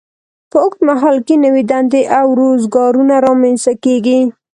په اوږد مهال کې نوې دندې او روزګارونه رامینځته کیږي.